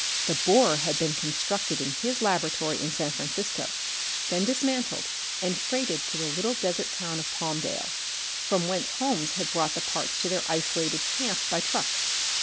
The borer had been constructed in his laboratory in San Francisco, then dismantled and freighted to the little desert town of Palmdale, from whence Holmes had brought the parts to their isolated camp by truck.